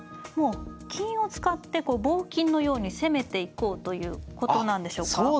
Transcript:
もう金を使って棒金のように攻めていこうということなんでしょうか。